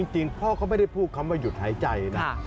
จริงพ่อเขาไม่ได้พูดคำว่าหยุดหายใจนะ